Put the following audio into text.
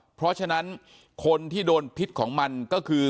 เพราะฉะนั้นคนที่โดนพิษของมันก็คือ